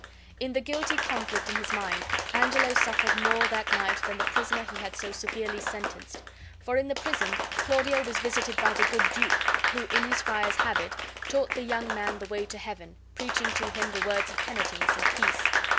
In the guilty conflict in his mind Angelo suffered more that night than the prisoner he had so severely sentenced; for in the prison Claudio was visited by the good duke, who, in his friar's habit, taught the young man the way to heaven, preaching to him the words of penitence and peace.